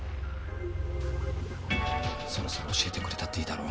そろそろ教えてくれたっていいだろ？